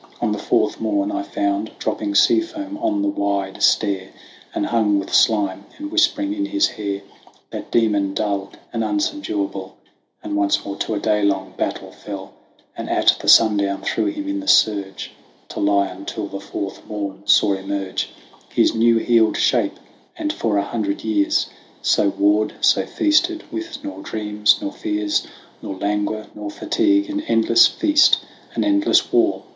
On the fourth morn I found, dropping sea foam on the wide stair, And hung with slime, and whispering in his hair, That demon dull and unsubduable ; And once more to a day long battle fell, And at the sundown threw him in the surge, To lie until the fourth morn saw emerge THE WANDERINGS OF OISIN 115 His new healed shape: and for a hundred years So warred, so feasted, with nor dreams, nor fears Nor languor nor fatigue : an endless feast, An endless war.